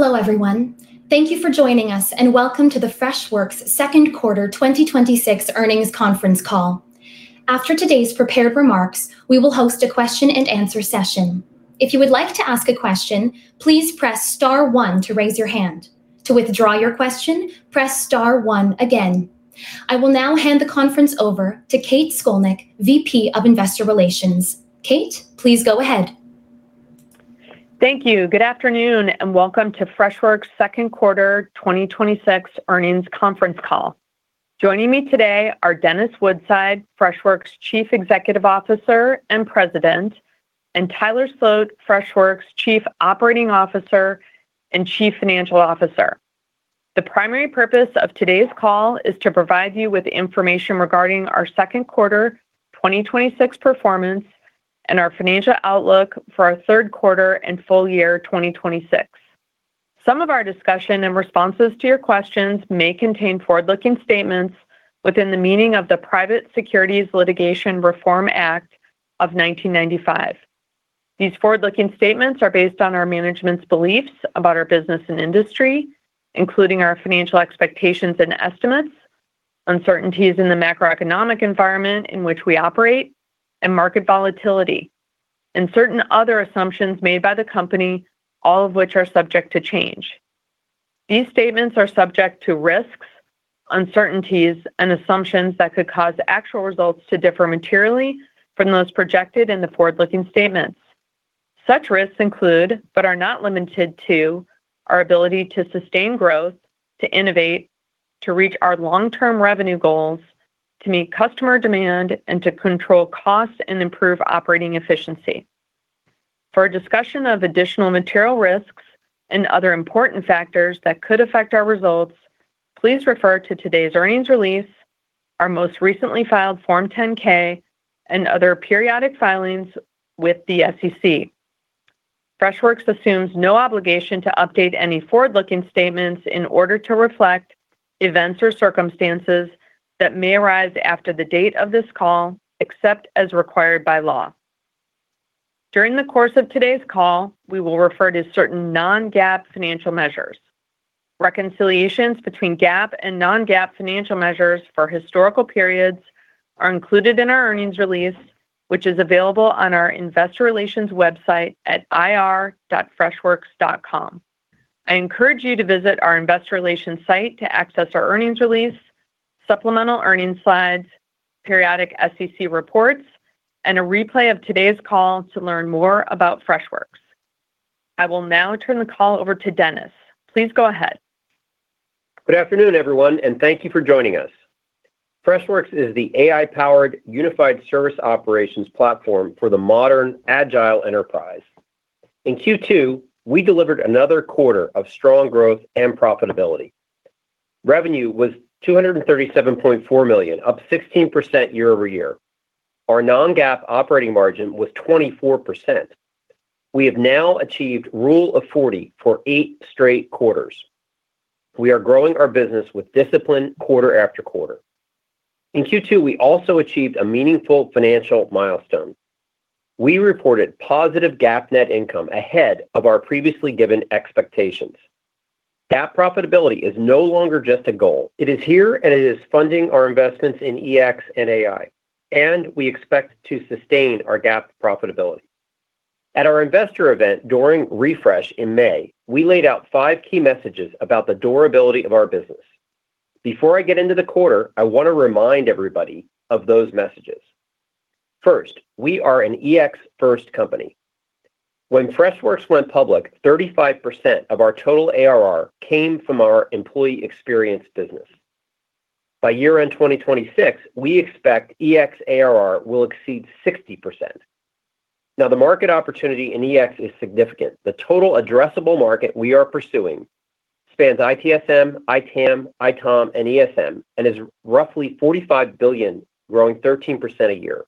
Hello, everyone. Thank you for joining us and welcome to the Freshworks Second Quarter 2026 Earnings Conference Call. After today's prepared remarks, we will host a question-and-answer session. If you would like to ask a question, please press star one to raise your hand. To withdraw your question, press star one again. I will now hand the conference over to Kate Scolnick, VP of Investor Relations. Kate, please go ahead. Thank you. Good afternoon and welcome to Freshworks Second Quarter 2026 Earnings Conference Call. Joining me today are Dennis Woodside, Freshworks Chief Executive Officer and President, and Tyler Sloat, Freshworks Chief Operating Officer and Chief Financial Officer. The primary purpose of today's call is to provide you with information regarding our second quarter 2026 performance and our financial outlook for our third quarter and full year 2026. Some of our discussion and responses to your questions may contain forward-looking statements within the meaning of the Private Securities Litigation Reform Act of 1995. These forward-looking statements are based on our management's beliefs about our business and industry, including our financial expectations and estimates, uncertainties in the macroeconomic environment in which we operate and market volatility, and certain other assumptions made by the company, all of which are subject to change. These statements are subject to risks, uncertainties, and assumptions that could cause actual results to differ materially from those projected in the forward-looking statements. Such risks include, but are not limited to, our ability to sustain growth, to innovate, to reach our long-term revenue goals, to meet customer demand, and to control costs and improve operating efficiency. For a discussion of additional material risks and other important factors that could affect our results, please refer to today's earnings release, our most recently filed Form 10-K, and other periodic filings with the SEC. Freshworks assumes no obligation to update any forward-looking statements in order to reflect events or circumstances that may arise after the date of this call, except as required by law. During the course of today's call, we will refer to certain non-GAAP financial measures. Reconciliations between GAAP and non-GAAP financial measures for historical periods are included in our earnings release, which is available on our investor relations website at ir.freshworks.com. I encourage you to visit our investor relations site to access our earnings release, supplemental earnings slides, periodic SEC reports, and a replay of today's call to learn more about Freshworks. I will now turn the call over to Dennis. Please go ahead. Good afternoon, everyone, and thank you for joining us. Freshworks is the AI-powered unified service operations platform for the modern agile enterprise. In Q2, we delivered another quarter of strong growth and profitability. Revenue was $237.4 million, up 16% year-over-year. Our non-GAAP operating margin was 24%. We have now achieved rule of 40 for eight straight quarters. We are growing our business with discipline quarter after quarter. In Q2, we also achieved a meaningful financial milestone. We reported positive GAAP net income ahead of our previously given expectations. GAAP profitability is no longer just a goal. It is here, and it is funding our investments in EX and AI, and we expect to sustain our GAAP profitability. At our investor event during Refresh in May, we laid out five key messages about the durability of our business. Before I get into the quarter, I want to remind everybody of those messages. First, we are an EX-first company. When Freshworks went public, 35% of our total ARR came from our employee experience business. By year-end 2026, we expect EX ARR will exceed 60%. The market opportunity in EX is significant. The total addressable market we are pursuing spans ITSM, ITAM, ITOM, and ESM and is roughly $45 billion, growing 13% a year.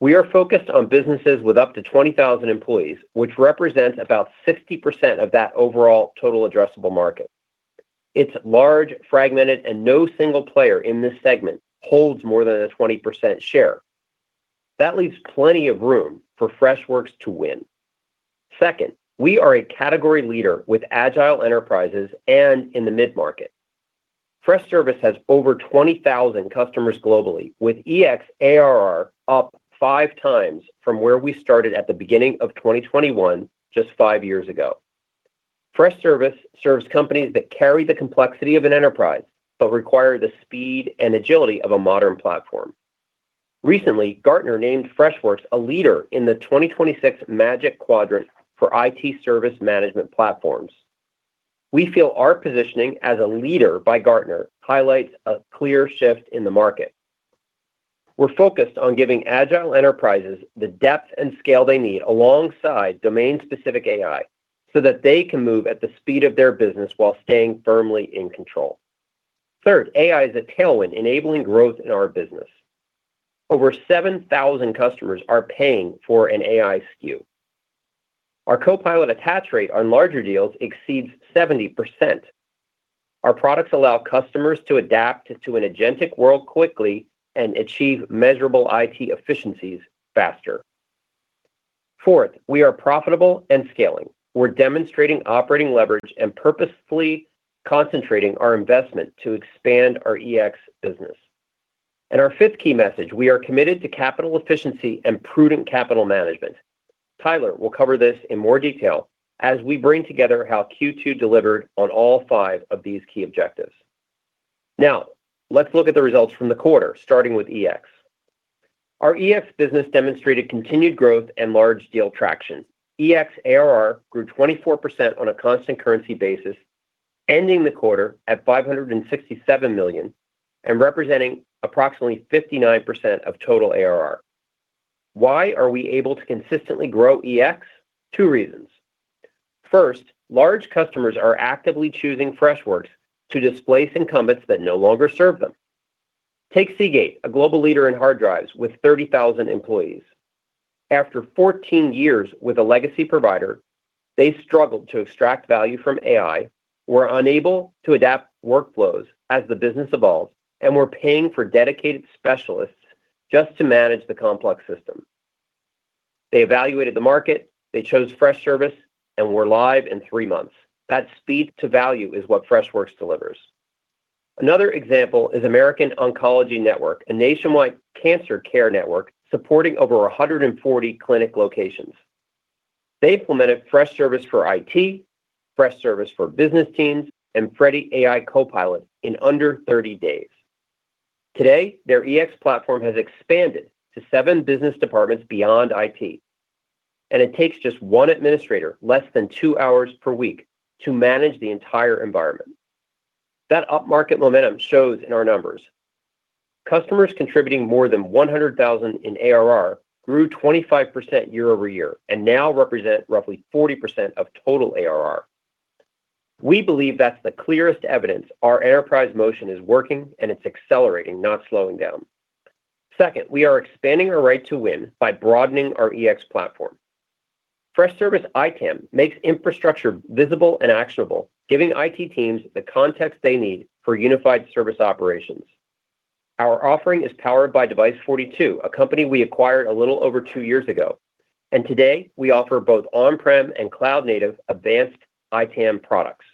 We are focused on businesses with up to 20,000 employees, which represents about 60% of that overall total addressable market. It's large, fragmented, and no single player in this segment holds more than a 20% share. That leaves plenty of room for Freshworks to win. Second, we are a category leader with agile enterprises and in the mid-market. Freshservice has over 20,000 customers globally, with EX ARR up 5x from where we started at the beginning of 2021 just five years ago. Freshservice serves companies that carry the complexity of an enterprise but require the speed and agility of a modern platform. Recently, Gartner named Freshworks a leader in the 2026 Magic Quadrant for IT Service Management Platforms. We feel our positioning as a leader by Gartner highlights a clear shift in the market. We're focused on giving agile enterprises the depth and scale they need alongside domain-specific AI so that they can move at the speed of their business while staying firmly in control. Third, AI is a tailwind enabling growth in our business. Over 7,000 customers are paying for an AI SKU. Our Copilot attach rate on larger deals exceeds 70%. Our products allow customers to adapt to an agentic world quickly and achieve measurable IT efficiencies faster. Fourth, we are profitable and scaling. We're demonstrating operating leverage and purposefully concentrating our investment to expand our EX business. Our fifth key message, we are committed to capital efficiency and prudent capital management. Tyler will cover this in more detail as we bring together how Q2 delivered on all five of these key objectives. Let's look at the results from the quarter, starting with EX. Our EX business demonstrated continued growth and large deal traction. EX ARR grew 24% on a constant currency basis, ending the quarter at $567 million and representing approximately 59% of total ARR. Why are we able to consistently grow EX? Two reasons. First, large customers are actively choosing Freshworks to displace incumbents that no longer serve them. Take Seagate, a global leader in hard drives with 30,000 employees. After 14 years with a legacy provider, they struggled to extract value from AI, were unable to adapt workflows as the business evolves, and were paying for dedicated specialists just to manage the complex system. They evaluated the market. They chose Freshservice and were live in three months. That speed to value is what Freshworks delivers. Another example is American Oncology Network, a nationwide cancer care network supporting over 140 clinic locations. They implemented Freshservice for IT, Freshservice for business teams, and Freddy AI Copilot in under 30 days. Today, their EX platform has expanded to seven business departments beyond IT, and it takes just one administrator less than two hours per week to manage the entire environment. That up-market momentum shows in our numbers. Customers contributing more than $100,000 in ARR grew 25% year-over-year and now represent roughly 40% of total ARR. We believe that's the clearest evidence our enterprise motion is working and it's accelerating, not slowing down. Second, we are expanding our right to win by broadening our EX platform. Freshservice ITAM makes infrastructure visible and actionable, giving IT teams the context they need for unified service operations. Our offering is powered by Device42, a company we acquired a little over two years ago, and today we offer both on-prem and cloud-native Advanced ITAM products.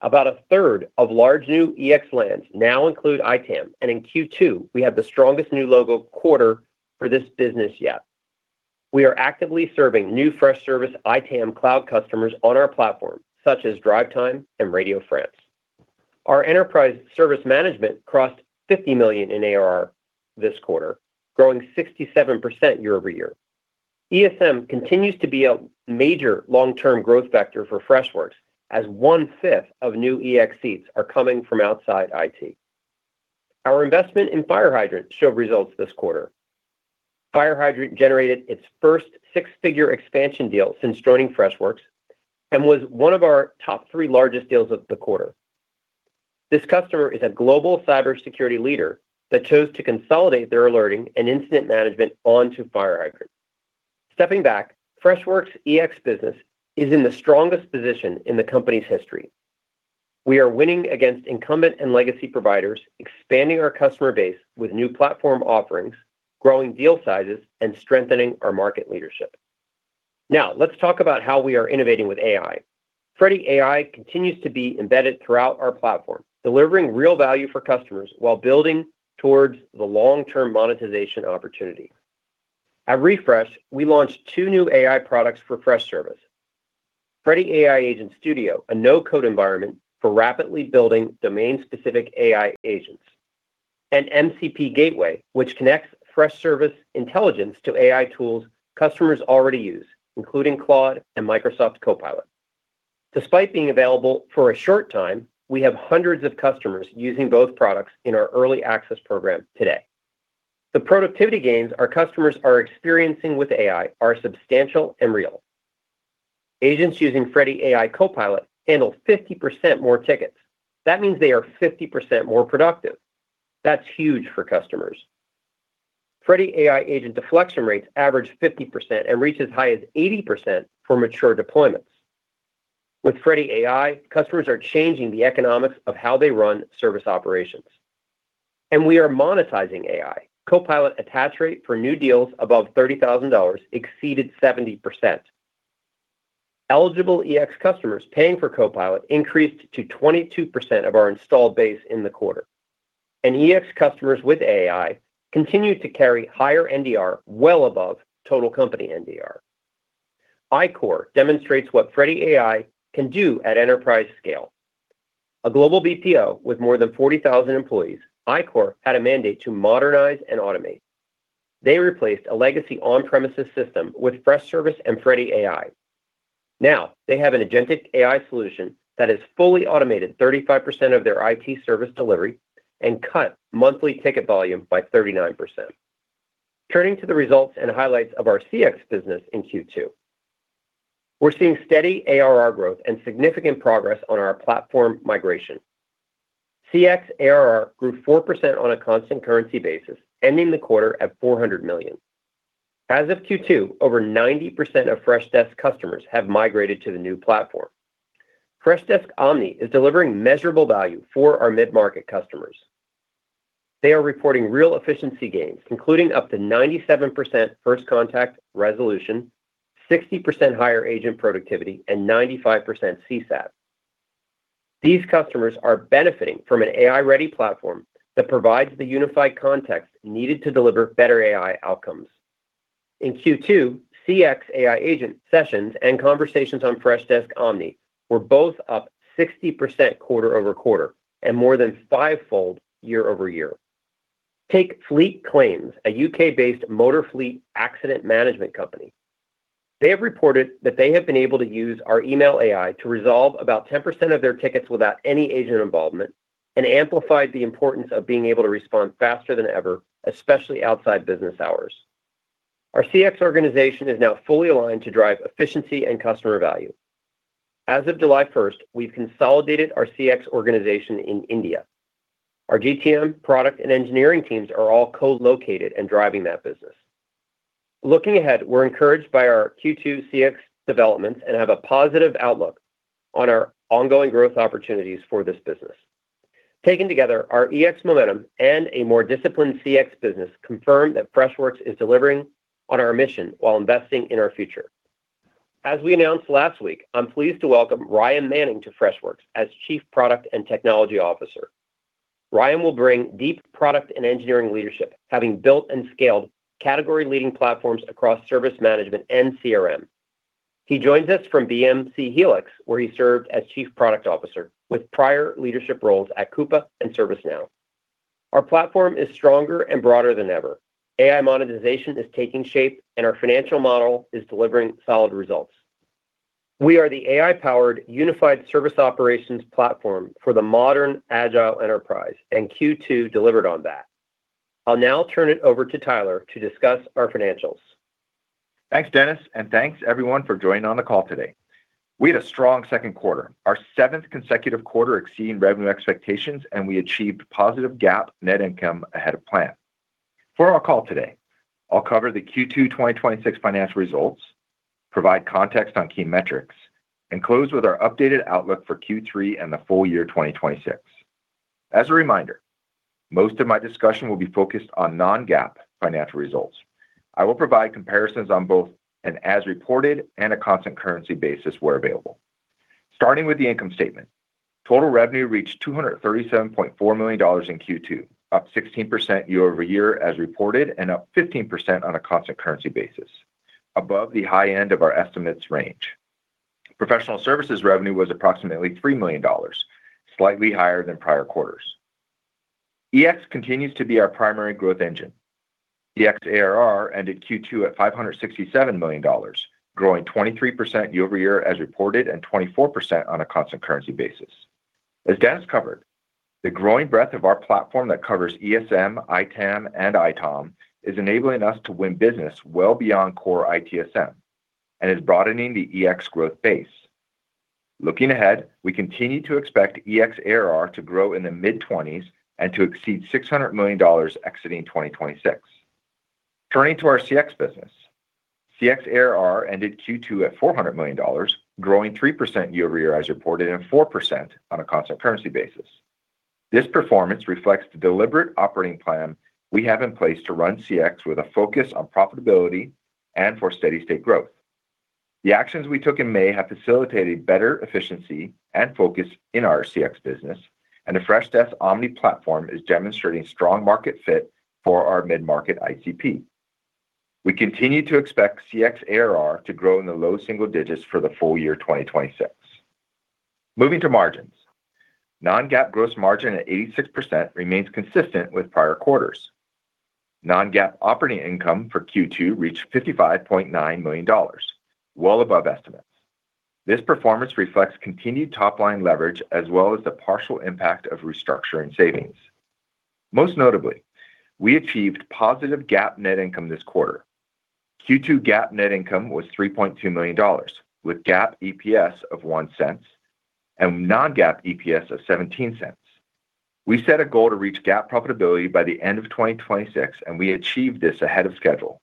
About a 1/3 of large new EX lands now include ITAM, and in Q2, we have the strongest new logo quarter for this business yet. We are actively serving new Freshservice ITAM cloud customers on our platform, such as DriveTime and Radio France. Our enterprise service management crossed $50 million in ARR this quarter, growing 67% year-over-year. ESM continues to be a major long-term growth vector for Freshworks as one-fifth of new EX seats are coming from outside IT. Our investment in FireHydrant showed results this quarter. FireHydrant generated its first six-figure expansion deal since joining Freshworks and was one of our top three largest deals of the quarter. This customer is a global cybersecurity leader that chose to consolidate their alerting and incident management onto FireHydrant. Stepping back, Freshworks EX business is in the strongest position in the company's history. We are winning against incumbent and legacy providers, expanding our customer base with new platform offerings, growing deal sizes, and strengthening our market leadership. Let's talk about how we are innovating with AI. Freddy AI continues to be embedded throughout our platform, delivering real value for customers while building towards the long-term monetization opportunity. At Refresh, we launched two new AI products for Freshservice. Freddy AI Agent Studio, a no-code environment for rapidly building domain-specific AI agents. MCP Gateway, which connects Freshservice intelligence to AI tools customers already use, including Claude and Microsoft Copilot. Despite being available for a short time, we have hundreds of customers using both products in our early access program today. The productivity gains our customers are experiencing with AI are substantial and real. Agents using Freddy AI Copilot handle 50% more tickets. That means they are 50% more productive. That's huge for customers. Freddy AI Agent deflection rates average 50% and reach as high as 80% for mature deployments. With Freddy AI, customers are changing the economics of how they run service operations. We are monetizing AI. Copilot attach rate for new deals above $30,000 exceeded 70%. Eligible EX customers paying for Copilot increased to 22% of our installed base in the quarter, and EX customers with AI continued to carry higher NDR well above total company NDR. iQor demonstrates what Freddy AI can do at enterprise scale. A global BPO with more than 40,000 employees, iQor had a mandate to modernize and automate. They replaced a legacy on-premises system with Freshservice and Freddy AI. Now, they have an agentic AI solution that has fully automated 35% of their IT service delivery and cut monthly ticket volume by 39%. Turning to the results and highlights of our CX business in Q2. We are seeing steady ARR growth and significant progress on our platform migration. CX ARR grew 4% on a constant currency basis, ending the quarter at $400 million. As of Q2, over 90% of Freshdesk customers have migrated to the new platform. Freshdesk Omni is delivering measurable value for our mid-market customers. They are reporting real efficiency gains, including up to 97% first contact resolution, 60% higher agent productivity, and 95% CSAT. These customers are benefiting from an AI-ready platform that provides the unified context needed to deliver better AI outcomes. In Q2, CX AI agent sessions and conversations on Freshdesk Omni were both up 60% quarter-over-quarter, and more than five-fold year-over-year. Take Fleet Claims, a U.K.-based motor fleet accident management company. They have reported that they have been able to use our email AI to resolve about 10% of their tickets without any agent involvement and amplified the importance of being able to respond faster than ever, especially outside business hours. Our CX organization is now fully aligned to drive efficiency and customer value. As of July 1, we have consolidated our CX organization in India. Our GTM, product, and engineering teams are all co-located and driving that business. Looking ahead, we are encouraged by our Q2 CX developments and have a positive outlook on our ongoing growth opportunities for this business. Taken together, our EX momentum and a more disciplined CX business confirm that Freshworks is delivering on our mission while investing in our future. As we announced last week, I am pleased to welcome Ryan Manning to Freshworks as Chief Product and Technology Officer. Ryan will bring deep product and engineering leadership, having built and scaled category-leading platforms across service management and CRM. He joins us from BMC Helix, where he served as Chief Product Officer, with prior leadership roles at Coupa and ServiceNow. Our platform is stronger and broader than ever. AI monetization is taking shape. Our financial model is delivering solid results. We are the AI-powered unified service operations platform for the modern agile enterprise. Q2 delivered on that. I will now turn it over to Tyler to discuss our financials. Thanks, Dennis, and thanks everyone for joining on the call today. We had a strong second quarter, our seventh consecutive quarter exceeding revenue expectations, and we achieved positive GAAP net income ahead of plan. For our call today, I will cover the Q2 2026 financial results, provide context on key metrics, and close with our updated outlook for Q3 and the full year 2026. As a reminder, most of my discussion will be focused on non-GAAP financial results. I will provide comparisons on both an as-reported and a constant currency basis where available. Starting with the income statement, total revenue reached $237.4 million in Q2, up 16% year-over-year as reported and up 15% on a constant currency basis, above the high end of our estimates range. Professional services revenue was approximately $3 million, slightly higher than prior quarters. EX continues to be our primary growth engine. EX ARR ended Q2 at $567 million, growing 23% year-over-year as reported and 24% on a constant currency basis. As Dennis covered, the growing breadth of our platform that covers ESM, ITAM, and ITOM is enabling us to win business well beyond core ITSM and is broadening the EX growth base. Looking ahead, we continue to expect EX ARR to grow in the mid-20s% and to exceed $600 million exiting 2026. Turning to our CX business, CX ARR ended Q2 at $400 million, growing 3% year-over-year as reported and 4% on a constant currency basis. This performance reflects the deliberate operating plan we have in place to run CX with a focus on profitability and for steady state growth. The actions we took in May have facilitated better efficiency and focus in our CX business, and the Freshdesk Omni platform is demonstrating strong market fit for our mid-market ICP. We continue to expect CX ARR to grow in the low single digits for the full year 2026. Moving to margins. Non-GAAP gross margin at 86% remains consistent with prior quarters. Non-GAAP operating income for Q2 reached $55.9 million, well above estimates. This performance reflects continued top-line leverage as well as the partial impact of restructuring savings. Most notably, we achieved positive GAAP net income this quarter. Q2 GAAP net income was $3.2 million, with GAAP EPS of $0.01 and non-GAAP EPS of $0.17. We set a goal to reach GAAP profitability by the end of 2026, and we achieved this ahead of schedule.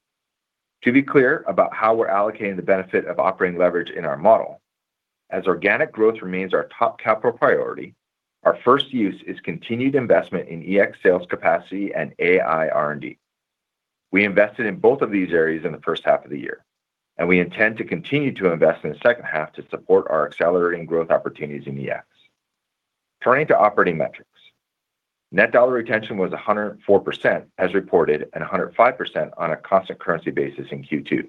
To be clear about how we are allocating the benefit of operating leverage in our model, as organic growth remains our top capital priority, our first use is continued investment in EX sales capacity and AI R&D. We invested in both of these areas in the first half of the year, and we intend to continue to invest in the second half to support our accelerating growth opportunities in EX. Turning to operating metrics. Net dollar retention was 104% as reported, and 105% on a constant currency basis in Q2.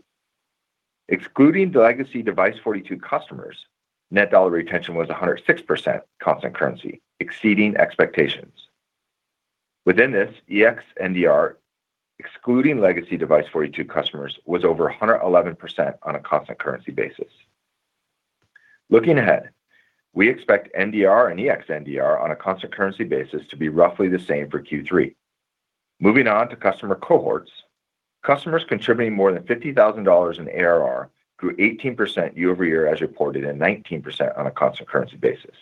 Excluding the legacy Device42 customers, net dollar retention was 106% constant currency, exceeding expectations. Within this, EX NDR, excluding legacy Device42 customers, was over 111% on a constant currency basis. Looking ahead, we expect NDR and EX NDR on a constant currency basis to be roughly the same for Q3. Moving on to customer cohorts. Customers contributing more than $50,000 in ARR grew 18% year-over-year as reported, and 19% on a constant currency basis.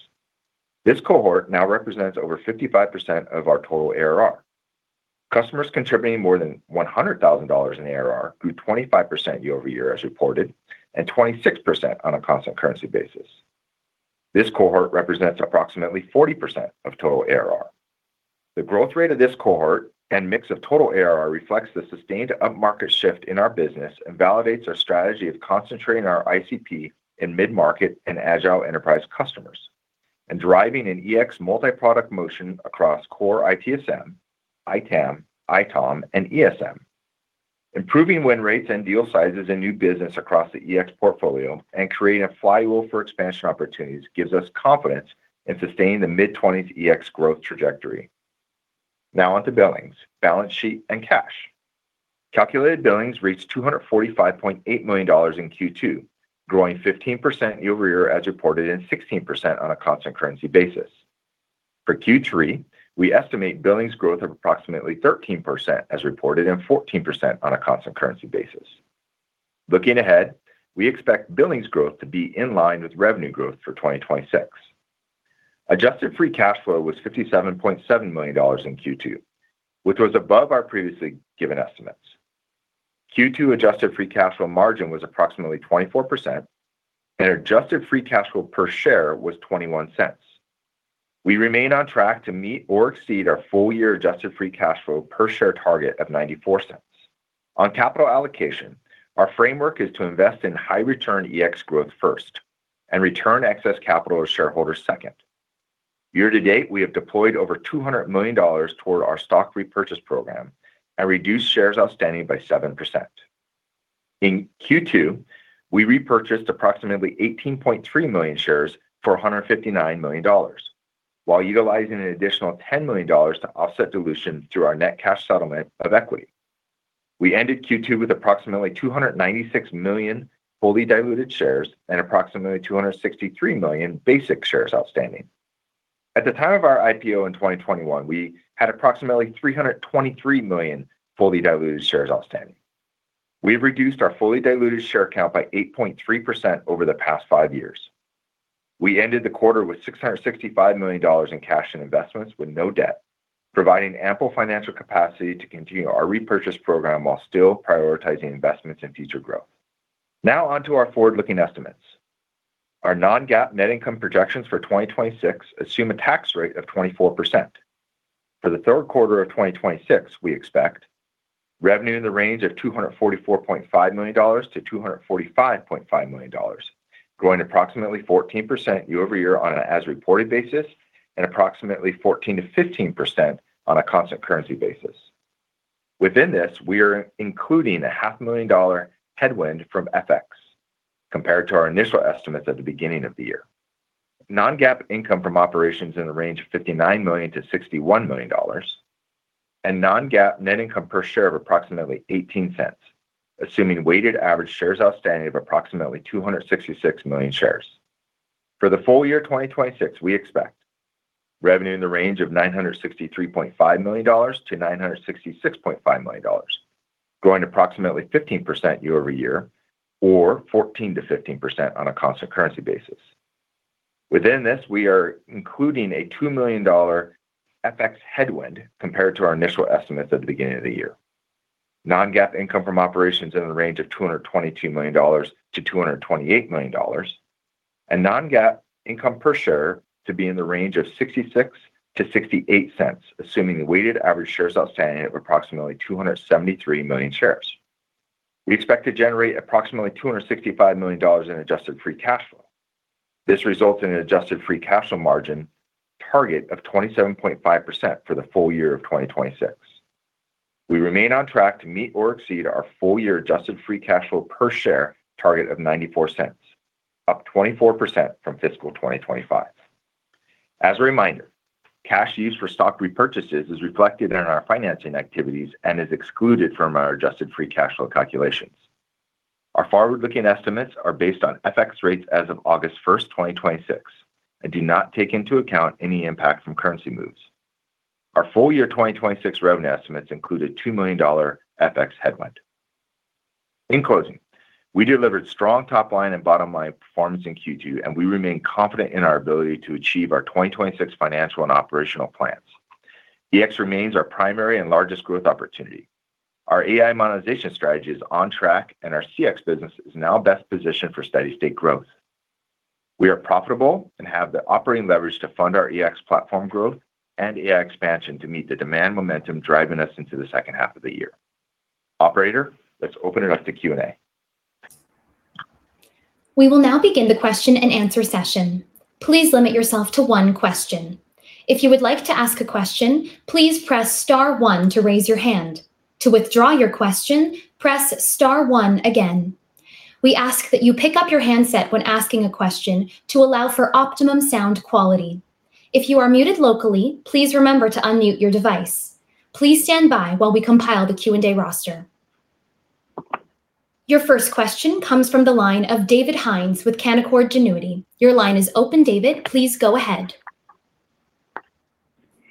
This cohort now represents over 55% of our total ARR. Customers contributing more than $100,000 in ARR grew 25% year-over-year as reported, and 26% on a constant currency basis. This cohort represents approximately 40% of total ARR. The growth rate of this cohort and mix of total ARR reflects the sustained upmarket shift in our business and validates our strategy of concentrating our ICP in mid-market and agile enterprise customers and driving an EX multi-product motion across core ITSM, ITAM, ITOM and ESM. Improving win rates and deal sizes in new business across the EX portfolio and creating a flywheel for expansion opportunities gives us confidence in sustaining the mid-20s% EX growth trajectory. On to billings, balance sheet and cash. Calculated billings reached $245.8 million in Q2, growing 15% year-over-year as reported, and 16% on a constant currency basis. For Q3, we estimate billings growth of approximately 13% as reported, and 14% on a constant currency basis. Looking ahead, we expect billings growth to be in line with revenue growth for 2026. Adjusted free cash flow was $57.7 million in Q2, which was above our previously given estimates. Q2 adjusted free cash flow margin was approximately 24%, and adjusted free cash flow per share was $0.21. We remain on track to meet or exceed our full year adjusted free cash flow per share target of $0.94. On capital allocation, our framework is to invest in high return EX growth first and return excess capital to shareholders second. Year-to-date, we have deployed over $200 million toward our stock repurchase program and reduced shares outstanding by 7%. In Q2, we repurchased approximately 18.3 million shares for $159 million, while utilizing an additional $10 million to offset dilution through our net cash settlement of equity. We ended Q2 with approximately 296 million fully diluted shares and approximately 263 million basic shares outstanding. At the time of our IPO in 2021, we had approximately 323 million fully diluted shares outstanding. We've reduced our fully diluted share count by 8.3% over the past five years. We ended the quarter with $665 million in cash and investments with no debt, providing ample financial capacity to continue our repurchase program while still prioritizing investments in future growth. On to our forward-looking estimates. Our non-GAAP net income projections for 2026 assume a tax rate of 24%. For the third quarter of 2026, we expect revenue in the range of $244.5 million-$245.5 million, growing approximately 14% year-over-year on a as reported basis, and approximately 14%-15% on a constant currency basis. Within this, we are including a $0.5 million headwind from FX compared to our initial estimates at the beginning of the year. Non-GAAP income from operations in the range of $59 million-$61 million, and non-GAAP net income per share of approximately $0.18, assuming weighted average shares outstanding of approximately 266 million shares. For the full year 2026, we expect revenue in the range of $963.5 million-$966.5 million, growing approximately 15% year-over-year or 14%-15% on a constant currency basis. Within this, we are including a $2 million FX headwind compared to our initial estimates at the beginning of the year. Non-GAAP income from operations in the range of $222 million-$228 million, and non-GAAP income per share to be in the range of $0.66-$0.68, assuming a weighted average shares outstanding of approximately 273 million shares. We expect to generate approximately $265 million in adjusted free cash flow. This results in an adjusted free cash flow margin target of 27.5% for the full year of 2026. We remain on track to meet or exceed our full year adjusted free cash flow per share target of $0.94, up 24% from fiscal 2025. As a reminder, cash used for stock repurchases is reflected in our financing activities and is excluded from our adjusted free cash flow calculations. Our forward-looking estimates are based on FX rates as of August 1, 2026, and do not take into account any impact from currency moves. Our full year 2026 revenue estimates include a $2 million FX headwind. In closing, we delivered strong top line and bottom line performance in Q2, and we remain confident in our ability to achieve our 2026 financial and operational plans. EX remains our primary and largest growth opportunity. Our AI monetization strategy is on track, and our CX business is now best positioned for steady state growth. We are profitable and have the operating leverage to fund our EX platform growth and AI expansion to meet the demand momentum driving us into the second half of the year. Operator, let's open it up to Q&A. We will now begin the question and answer session. Please limit yourself to one question. If you would like to ask a question, please press star one to raise your hand. To withdraw your question, press star one again. We ask that you pick up your handset when asking a question to allow for optimum sound quality. If you are muted locally, please remember to unmute your device. Please stand by while we compile the Q&A roster. Your first question comes from the line of David Hynes with Canaccord Genuity. Your line is open David, please go ahead.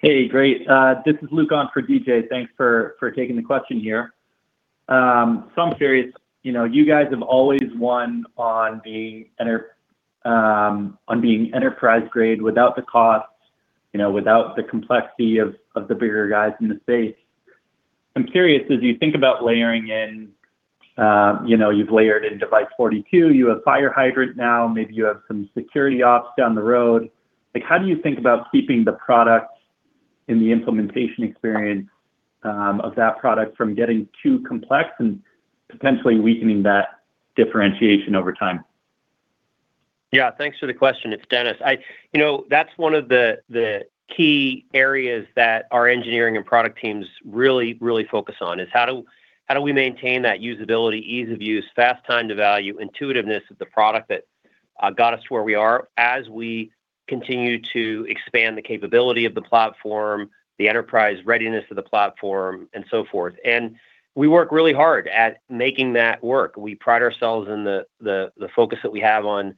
Hey, great. This is Luke on for David. Thanks for taking the question here. I'm curious, you guys have always won on being enterprise grade without the costs, without the complexity of the bigger guys in the space. I'm curious, as you think about layering in, you've layered in Device42, you have FireHydrant now, maybe you have some security ops down the road. How do you think about keeping the product and the implementation experience of that product from getting too complex and potentially weakening that differentiation over time? Thanks for the question. It's Dennis. That's one of the key areas that our engineering and product teams really focus on is how do we maintain that usability, ease of use, fast time to value, intuitiveness of the product that got us to where we are as we continue to expand the capability of the platform, the enterprise readiness of the platform, and so forth. We work really hard at making that work. We pride ourselves in the focus that we have on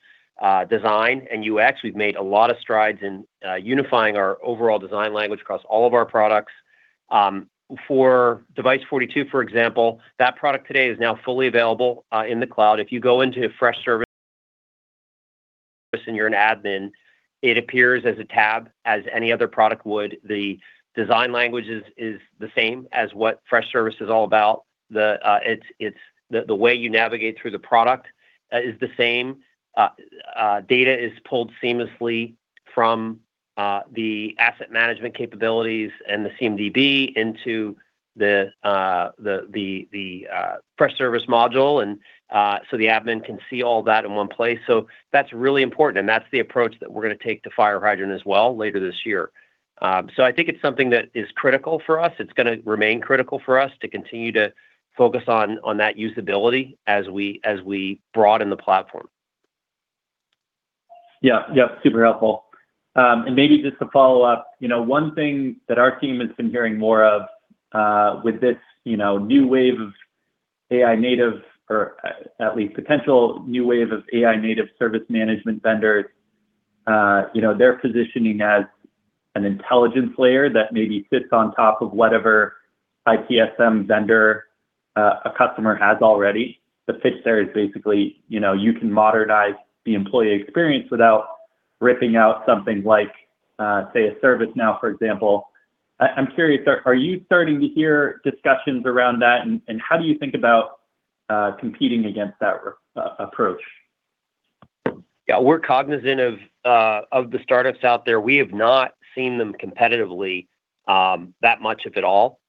design and UX. We've made a lot of strides in unifying our overall design language across all of our products. For Device42, for example, that product today is now fully available in the cloud. If you go into Freshservice and you're an admin, it appears as a tab as any other product would. The design language is the same as what Freshservice is all about. The way you navigate through the product is the same. Data is pulled seamlessly from the asset management capabilities and the CMDB into the Freshservice module, the admin can see all that in one place. That's really important, that's the approach that we're going to take to FireHydrant as well later this year. I think it's something that is critical for us. It's going to remain critical for us to continue to focus on that usability as we broaden the platform. Super helpful. Maybe just to follow up, one thing that our team has been hearing more of with this new wave of AI native, or at least potential new wave of AI native service management vendors. They're positioning as an intelligence layer that maybe sits on top of whatever ITSM vendor a customer has already. The pitch there is basically you can modernize the employee experience without ripping out something like, say, a ServiceNow, for example. I'm curious, are you starting to hear discussions around that, and how do you think about competing against that approach? We're cognizant of the startups out there. We have not seen them competitively, that much, if at all.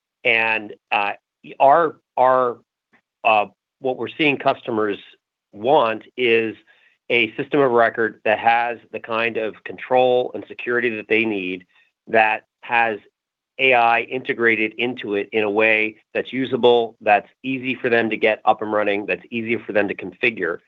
What we're seeing customers want is a system of record that has the kind of control and security that they need, that has AI integrated into it in a way that's usable, that's easy for them to get up and running, that's easier for them to configure.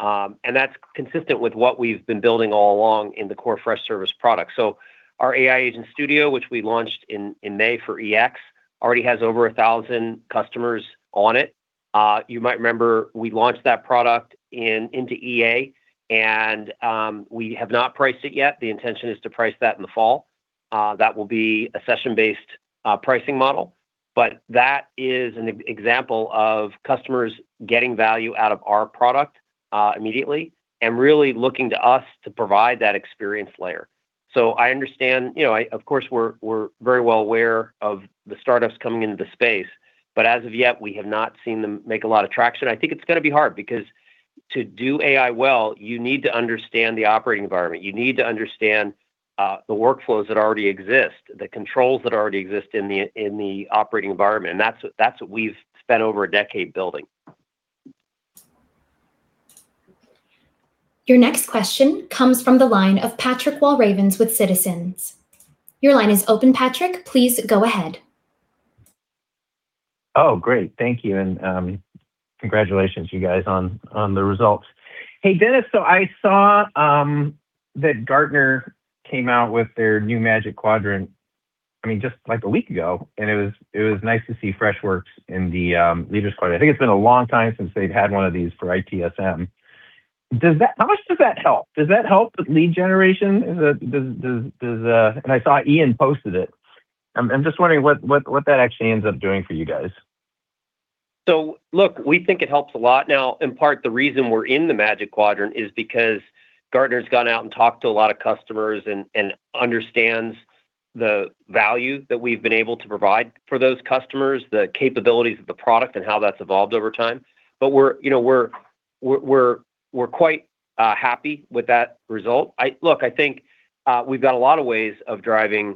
That's consistent with what we've been building all along in the core Freshservice product. Our Freddy AI Agent Studio, which we launched in May for EX, already has over 1,000 customers on it. You might remember we launched that product into EA, we have not priced it yet. The intention is to price that in the fall. That will be a session-based pricing model. That is an example of customers getting value out of our product immediately and really looking to us to provide that experience layer. I understand, of course, we're very well aware of the startups coming into the space, but as of yet, we have not seen them make a lot of traction. I think it's going to be hard because to do AI well, you need to understand the operating environment. You need to understand the workflows that already exist, the controls that already exist in the operating environment, and that's what we've spent over a decade building. Your next question comes from the line of Patrick Walravens with Citizens. Your line is open Patrick, please go ahead. Great. Thank you, and congratulations you guys on the results. Hey, Dennis. I saw that Gartner came out with their new Magic Quadrant, just like a week ago, and it was nice to see Freshworks in the leaders quadrant. I think it's been a long time since they've had one of these for ITSM. How much does that help? Does that help with lead generation? And I saw Ian posted it. I'm just wondering what that actually ends up doing for you guys. Look, we think it helps a lot. Now, in part, the reason we're in the Magic Quadrant is because Gartner's gone out and talked to a lot of customers and understands the value that we've been able to provide for those customers, the capabilities of the product, and how that's evolved over time. But we're quite happy with that result. Look, I think we've got a lot of ways of driving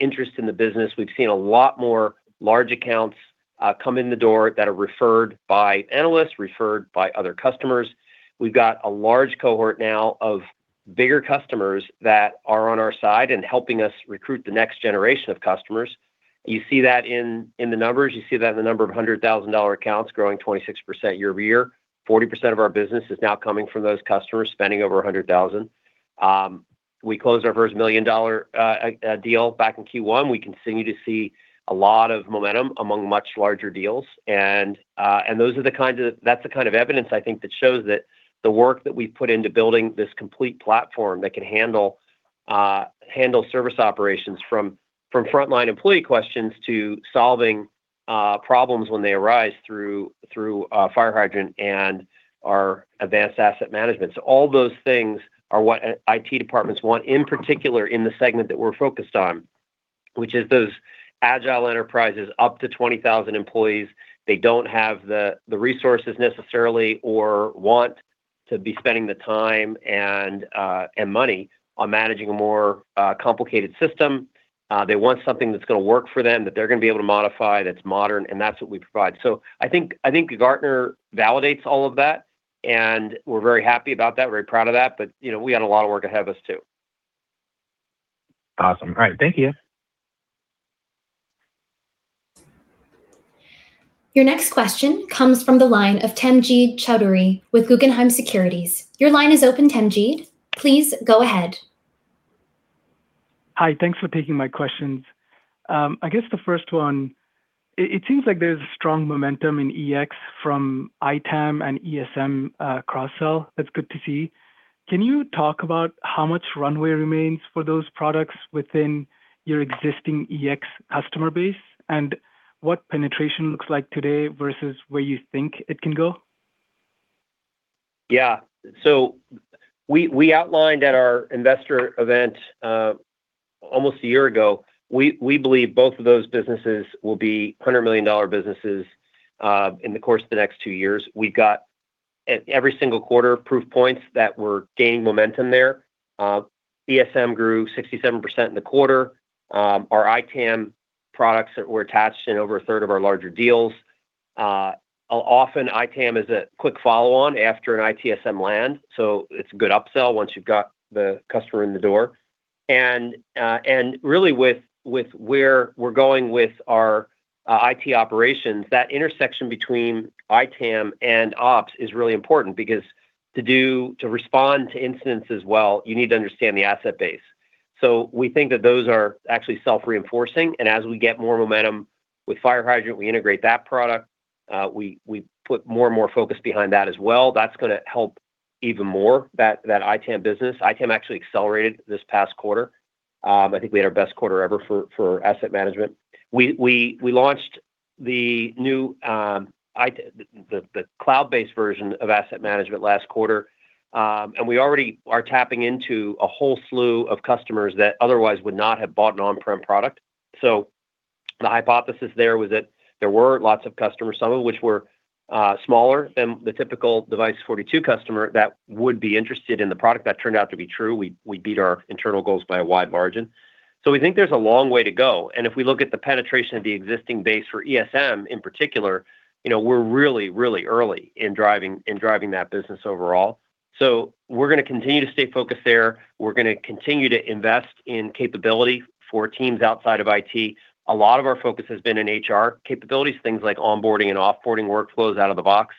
interest in the business. We've seen a lot more large accounts come in the door that are referred by analysts, referred by other customers. We've got a large cohort now of bigger customers that are on our side and helping us recruit the next generation of customers. You see that in the numbers. You see that in the number of 100,000 accounts growing 26% year-over-year. 40% of our business is now coming from those customers spending over $100,000. We closed our first million-dollar deal back in Q1. We continue to see a lot of momentum among much larger deals. That's the kind of evidence I think that shows that the work that we've put into building this complete platform that can handle service operations from frontline employee questions to solving problems when they arise through FireHydrant and our advanced IT asset management. All those things are what IT departments want, in particular in the segment that we're focused on, which is those agile enterprises up to 20,000 employees. They don't have the resources necessarily, or want to be spending the time and money on managing a more complicated system. They want something that's going to work for them, that they're going to be able to modify, that's modern, and that's what we provide. I think Gartner validates all of that, and we're very happy about that, very proud of that. We got a lot of work ahead of us, too. Awesome. All right. Thank you. Your next question comes from the line of Tamjid Chowdhury with Guggenheim Securities. Your line is open, Tamjid, please go ahead. Hi, thanks for taking my questions. I guess the first one, it seems like there's strong momentum in EX from ITAM and ESM cross-sell. That's good to see. Can you talk about how much runway remains for those products within your existing EX customer base and what penetration looks like today versus where you think it can go? Yeah. We outlined at our investor event almost a year ago. We believe both of those businesses will be $100 million businesses in the course of the next two years. We got every single quarter proof points that we're gaining momentum there. ESM grew 67% in the quarter. Our ITAM products that were attached in over a third of our larger deals. Often ITAM is a quick follow-on after an ITSM land, so it's a good upsell once you've got the customer in the door. Really with where we're going with our IT operations, that intersection between ITAM and Ops is really important because to respond to incidents as well, you need to understand the asset base. We think that those are actually self-reinforcing, and as we get more momentum with FireHydrant, we integrate that product. We put more and more focus behind that as well. That's going to help even more that ITAM business. ITAM actually accelerated this past quarter. I think we had our best quarter ever for asset management. We launched the cloud-based version of Asset Management last quarter. We already are tapping into a whole slew of customers that otherwise would not have bought an on-prem product. The hypothesis there was that there were lots of customers, some of which were smaller than the typical Device42 customer, that would be interested in the product. That turned out to be true. We beat our internal goals by a wide margin. We think there's a long way to go, and if we look at the penetration of the existing base for ESM in particular, we're really, really early in driving that business overall. We're going to continue to stay focused there. We're going to continue to invest in capability for teams outside of IT. A lot of our focus has been in HR capabilities, things like onboarding and off-boarding workflows out of the box.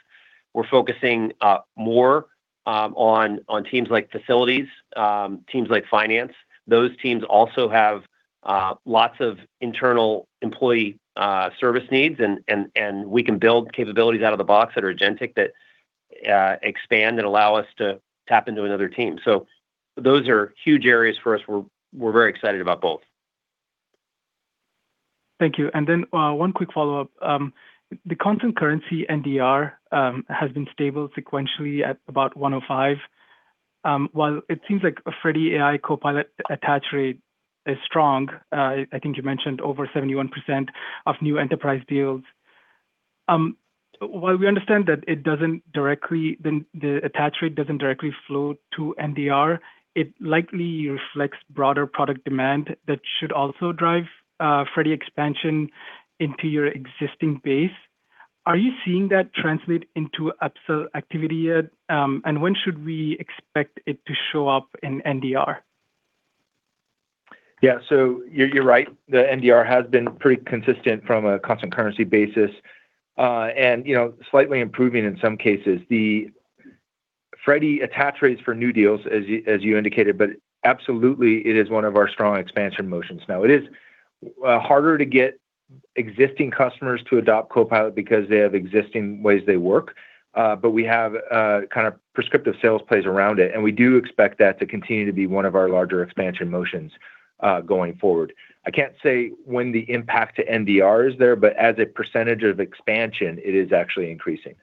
We're focusing more on teams like facilities, teams like finance. Those teams also have lots of internal employee service needs. We can build capabilities out of the box that are agentic, that expand and allow us to tap into another team. Those are huge areas for us. We're very excited about both. Thank you. One quick follow-up. The constant currency NDR has been stable sequentially at about 105%. While it seems like Freddy AI Copilot attach rate is strong, I think you mentioned over 71% of new enterprise deals. While we understand that the attach rate doesn't directly flow to NDR, it likely reflects broader product demand that should also drive Freddy expansion into your existing base. Are you seeing that translate into upsell activity yet? When should we expect it to show up in NDR? You're right, the NDR has been pretty consistent from a constant currency basis. Slightly improving in some cases. The Freddy attach rates for new deals, as you indicated, absolutely it is one of our strong expansion motions now. It is harder to get existing customers to adopt Copilot because they have existing ways they work. We have prescriptive sales plays around it, we do expect that to continue to be one of our larger expansion motions going forward. I can't say when the impact to NDR is there, as a percentage of expansion, it is actually increasing.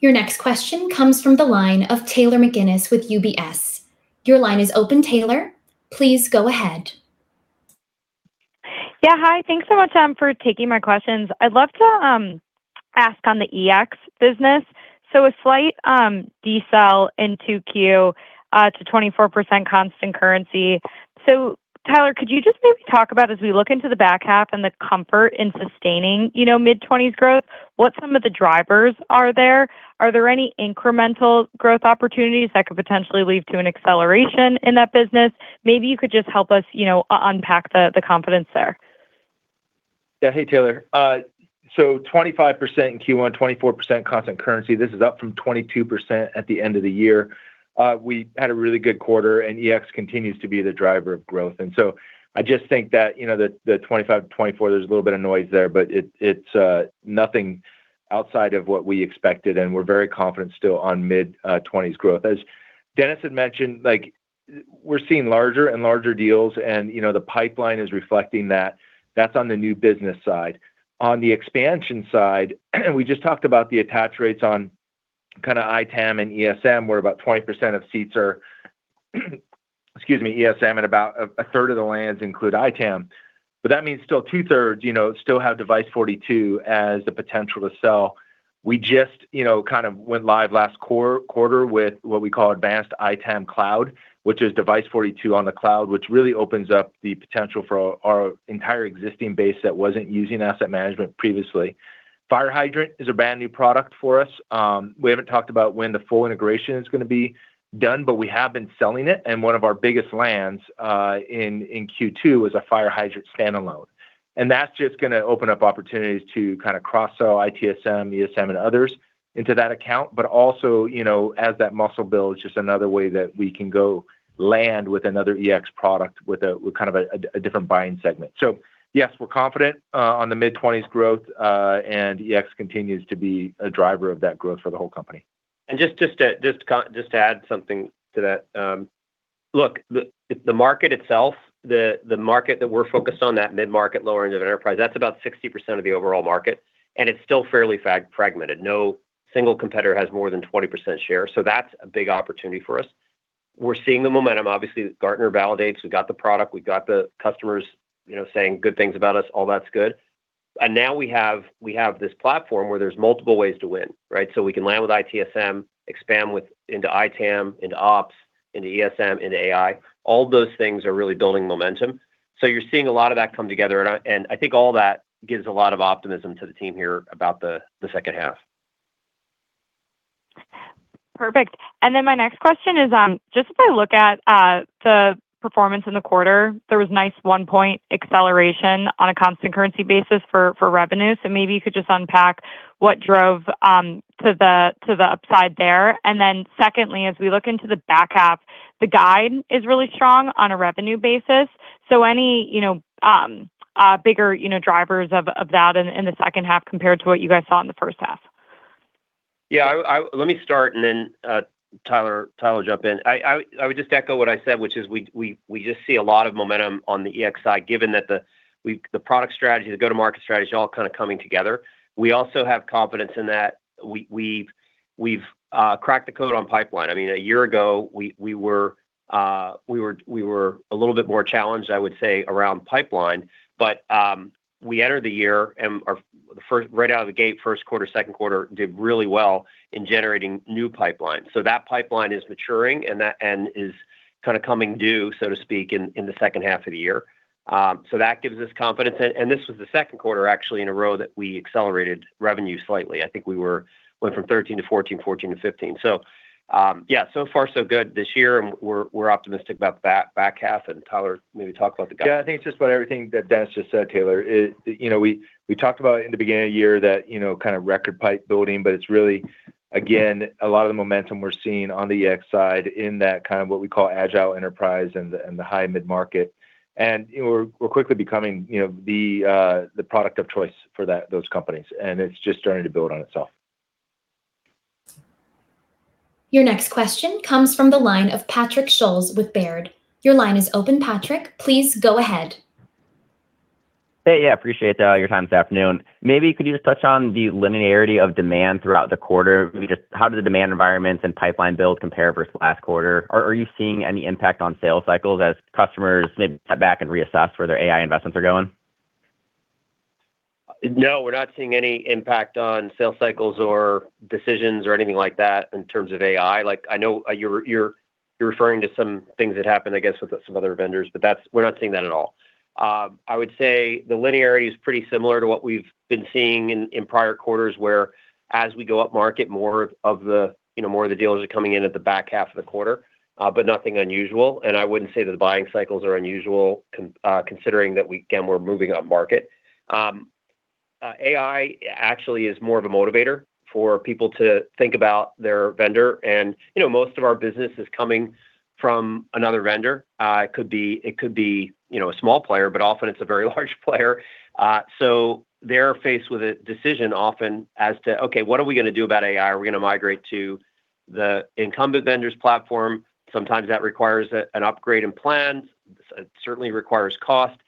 Your next question comes from the line of Taylor McGinnis with UBS. Your line is open Taylor, please go ahead. Hi, thanks so much for taking my questions. I'd love to ask on the EX business. A slight de-sell in 2Q to 24% constant currency. Tyler, could you just maybe talk about as we look into the back half and the comfort in sustaining mid-20s growth, what some of the drivers are there? Are there any incremental growth opportunities that could potentially lead to an acceleration in that business? Maybe you could just help us unpack the confidence there. Hey, Taylor. 25% in Q1, 24% constant currency. This is up from 22% at the end of the year. We had a really good quarter. EX continues to be the driver of growth. I just think that the 25%, 24%, there's a little bit of noise there, but it's nothing outside of what we expected, and we're very confident still on mid-20s% growth. As Dennis had mentioned, we're seeing larger and larger deals, and the pipeline is reflecting that. That's on the new business side. On the expansion side, we just talked about the attach rates on kind of ITAM and ESM, where about 20% of seats are, excuse me, ESM and about a third of the lands include ITAM. That means still two-thirds still have Device42 as the potential to sell. We just kind of went live last quarter with what we call Advanced ITAM Cloud, which is Device42 on the cloud, which really opens up the potential for our entire existing base that wasn't using asset management previously. FireHydrant is a brand-new product for us. We haven't talked about when the full integration is going to be done, but we have been selling it. One of our biggest lands in Q2 is a FireHydrant standalone. That's just going to open up opportunities to kind of cross-sell ITSM, ESM, and others into that account. As that muscle builds, just another way that we can go land with another EX product with kind of a different buying segment. Yes, we're confident on the mid-20s% growth, and EX continues to be a driver of that growth for the whole company. Just to add something to that. Look, the market itself, the market that we're focused on, that mid-market, lower end of the enterprise, that's about 60% of the overall market, and it's still fairly fragmented. No single competitor has more than 20% share. That's a big opportunity for us. We're seeing the momentum. Obviously, Gartner validates. We've got the product. We've got the customers saying good things about us. All that's good. Now we have this platform where there's multiple ways to win, right? We can land with ITSM, expand into ITAM, into ops, into ESM, into AI. All those things are really building momentum. You're seeing a lot of that come together, and I think all that gives a lot of optimism to the team here about the second half. Perfect. My next question is, just as I look at the performance in the quarter, there was nice one-point acceleration on a constant currency basis for revenue. Maybe you could just unpack what drove to the upside there. Secondly, as we look into the back half, the guide is really strong on a revenue basis. Any bigger drivers of that in the second half compared to what you guys saw in the first half? Let me start and then Tyler, jump in. I would just echo what I said, which is we just see a lot of momentum on the EX side, given that the product strategy, the go-to-market strategy, all kind of coming together. We also have confidence in that. We've cracked the code on pipeline. A year ago, we were a little bit more challenged, I would say, around pipeline. We entered the year, and right out of the gate, first quarter, second quarter, did really well in generating new pipeline. That pipeline is maturing and is coming due, so to speak, in the second half of the year. That gives us confidence. This was the second quarter, actually, in a row that we accelerated revenue slightly. I think we went from 13% to 14%, 14% to 15%. Yeah. Far, so good this year, and we're optimistic about the back half. Tyler, maybe talk about the guide. Yeah. I think it's just about everything that Dennis just said, Taylor. We talked about in the beginning of the year that kind of record pipe building, but it's really, again, a lot of the momentum we're seeing on the EX side in that kind of what we call agile enterprise and the high mid-market. We're quickly becoming the product of choice for those companies, and it's just starting to build on itself. Your next question comes from the line of Patrick Schultz with Baird, your line is open, Patrick. Please go ahead. Hey. Yeah. Appreciate your time this afternoon. Maybe could you just touch on the linearity of demand throughout the quarter? Maybe just how did the demand environments and pipeline build compare versus last quarter? Are you seeing any impact on sales cycles as customers maybe step back and reassess where their AI investments are going? No, we're not seeing any impact on sales cycles or decisions or anything like that in terms of AI. I know you're referring to some things that happened, I guess, with some other vendors. We're not seeing that at all. I would say the linearity is pretty similar to what we've been seeing in prior quarters, where as we go up market, more of the deals are coming in at the back half of the quarter. Nothing unusual, I wouldn't say that the buying cycles are unusual, considering that, again, we're moving up market. AI actually is more of a motivator for people to think about their vendor. Most of our business is coming from another vendor. It could be a small player, but often it's a very large player. They're faced with a decision often as to, okay, what are we going to do about AI? Are we going to migrate to the incumbent vendor's platform? Sometimes that requires an upgrade in plans. It certainly requires cost.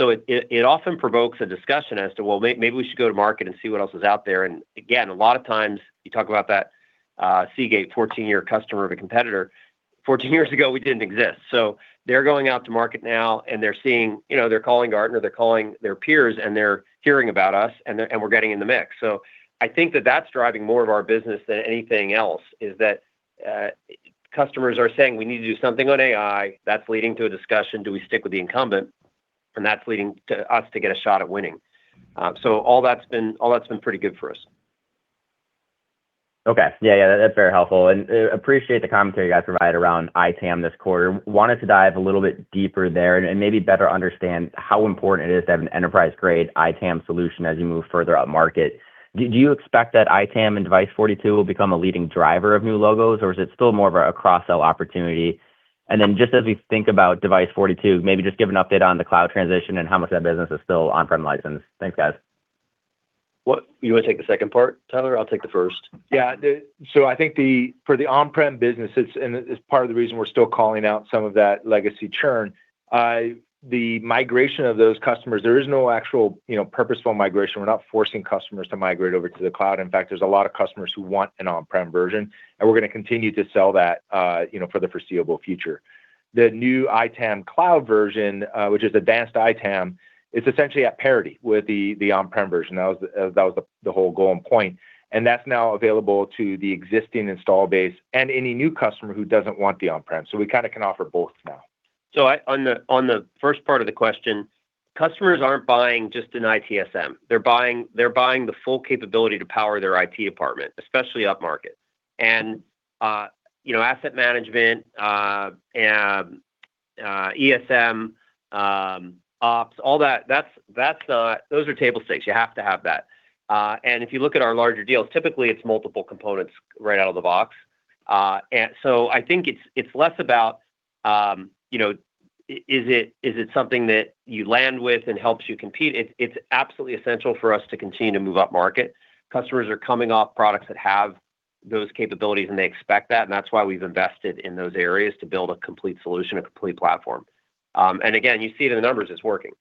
It often provokes a discussion as to, well, maybe we should go to market and see what else is out there. Again, a lot of times, you talk about that Seagate 14-year customer of a competitor. 14 years ago, we didn't exist. They're going out to market now. They're calling Gartner, they're calling their peers. They're hearing about us. We're getting in the mix. I think that that's driving more of our business than anything else, is that customers are saying, we need to do something on AI. That's leading to a discussion, do we stick with the incumbent? That's leading to us to get a shot at winning. All that's been pretty good for us. Okay. Yeah, that's very helpful. Appreciate the commentary you guys provided around ITAM this quarter. Wanted to dive a little bit deeper there and maybe better understand how important it is to have an enterprise-grade ITAM solution as you move further up market. Do you expect that ITAM and Device42 will become a leading driver of new logos, or is it still more of a cross-sell opportunity? Then just as we think about Device42, maybe just give an update on the cloud transition and how much that business is still on-prem license. Thanks, guys. You want to take the second part, Tyler? I'll take the first. Yeah. I think for the on-prem businesses, it's part of the reason we're still calling out some of that legacy churn, the migration of those customers, there is no actual purposeful migration. We're not forcing customers to migrate over to the cloud. In fact, there's a lot of customers who want an on-prem version. We're going to continue to sell that for the foreseeable future. The new ITAM cloud version, which is Advanced ITAM, it's essentially at parity with the on-prem version. That was the whole goal and point. That's now available to the existing install base and any new customer who doesn't want the on-prem. We kind of can offer both now. On the first part of the question, customers aren't buying just an ITSM. They're buying the full capability to power their IT department, especially up market. Asset management, ESM, ops, all that, those are table stakes. You have to have that. If you look at our larger deals, typically, it's multiple components right out of the box. I think it's less about, is it something that you land with and helps you compete? It's absolutely essential for us to continue to move up market. Customers are coming off products that have those capabilities. They expect that. That's why we've invested in those areas to build a complete solution, a complete platform. Again, you see it in the numbers, it's working.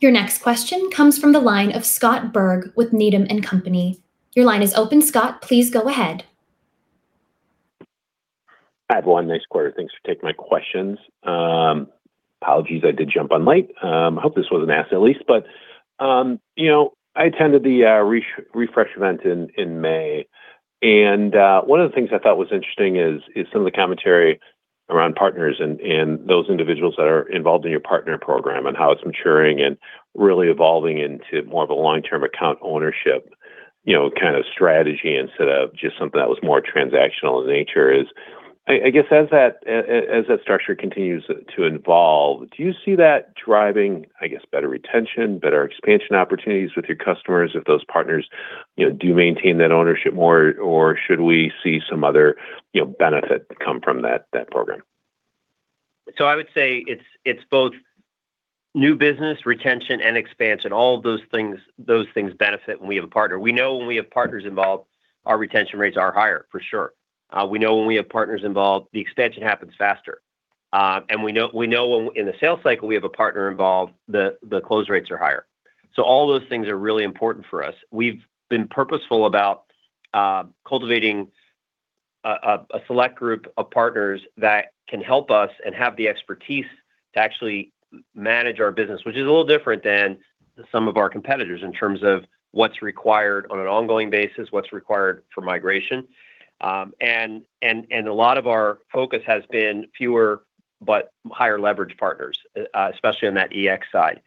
Your next question comes from the line of Scott Berg with Needham & Company. Your line is open Scott, please go ahead. Hi, everyone? Nice quarter. Thanks for taking my questions. Apologies, I did jump on late. I hope this wasn't asked, at least. I attended the Refresh event in May, and one of the things I thought was interesting is some of the commentary around partners and those individuals that are involved in your partner program and how it's maturing and really evolving into more of a long-term account ownership, kind of strategy instead of just something that was more transactional in nature. I guess, as that structure continues to evolve, do you see that driving, I guess, better retention, better expansion opportunities with your customers if those partners do maintain that ownership more, or should we see some other benefit come from that program? I would say it's both new business retention and expansion. All of those things benefit when we have a partner. We know when we have partners involved, our retention rates are higher, for sure. We know when we have partners involved, the expansion happens faster. We know when in the sales cycle we have a partner involved, the close rates are higher. All those things are really important for us. We've been purposeful about cultivating a select group of partners that can help us and have the expertise to actually manage our business, which is a little different than some of our competitors in terms of what's required on an ongoing basis, what's required for migration. A lot of our focus has been fewer but higher leverage partners, especially on that EX side.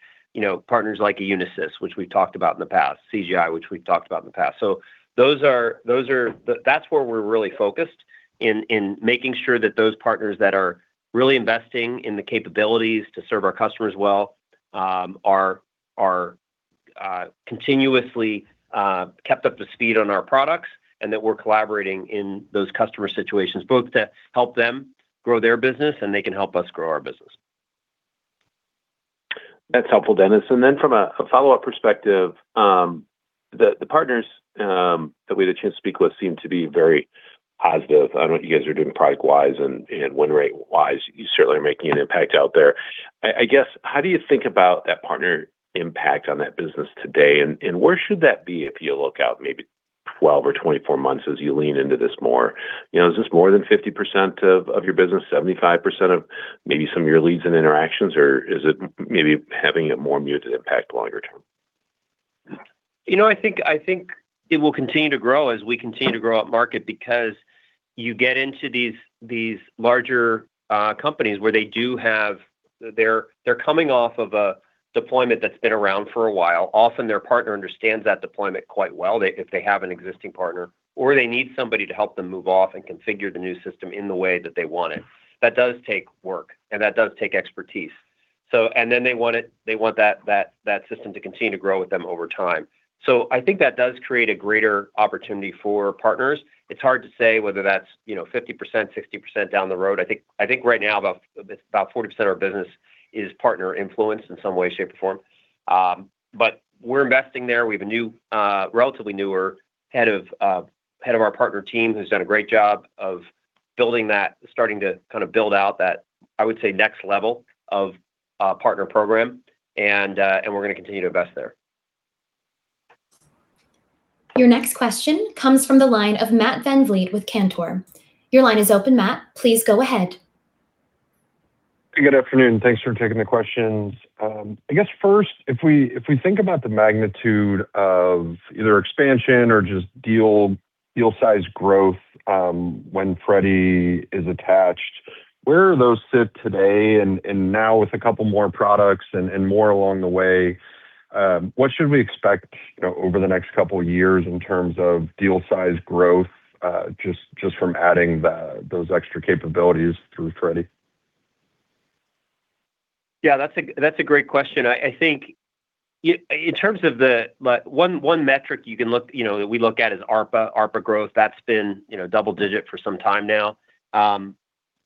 Partners like a Unisys, which we've talked about in the past, CGI, which we've talked about in the past. That's where we're really focused in making sure that those partners that are really investing in the capabilities to serve our customers well are continuously kept up to speed on our products, and that we're collaborating in those customer situations, both to help them grow their business and they can help us grow our business. That's helpful, Dennis. From a follow-up perspective, the partners that we had a chance to speak with seem to be very positive on what you guys are doing product-wise and win rate-wise. You certainly are making an impact out there. I guess, how do you think about that partner impact on that business today, and where should that be if you look out maybe 12 months or 24 months as you lean into this more? Is this more than 50% of your business, 75% of maybe some of your leads and interactions, or is it maybe having a more muted impact longer term? I think it will continue to grow as we continue to grow up market because you get into these larger companies where they're coming off of a deployment that's been around for a while. Often, their partner understands that deployment quite well, if they have an existing partner, or they need somebody to help them move off and configure the new system in the way that they want it. That does take work, and that does take expertise. They want that system to continue to grow with them over time. I think that does create a greater opportunity for partners. It's hard to say whether that's 50%, 60% down the road. I think right now, about 40% of our business is partner influenced in some way, shape, or form. We're investing there. We have a relatively newer head of our partner team who's done a great job of building that, starting to build out that, I would say, next level of partner program, and we're going to continue to invest there. Your next question comes from the line of Matt VanVliet with Cantor. Your line is open Matt, please go ahead. Good afternoon? Thanks for taking the questions. I guess first, if we think about the magnitude of either expansion or just deal size growth when Freddy is attached, where do those sit today? Now with a couple more products and more along the way, what should we expect over the next couple of years in terms of deal size growth just from adding those extra capabilities through Freddy? Yeah, that's a great question. I think in terms of One metric we look at is ARPA growth. That's been double digit for some time now.